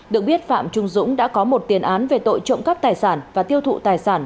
được biết phạm trung dũng đã có một tiền án về tội trộm cắp tài sản và tiêu thụ tài sản